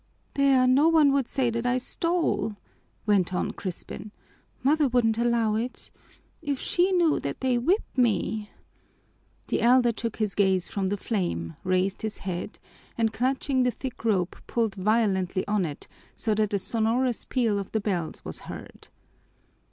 "There no one would say that I stole," went on Crispin. "Mother wouldn't allow it. If she knew that they whip me " The elder took his gaze from the flame, raised his head, and clutching the thick rope pulled violently on it so that a sonorous peal of the bells was heard.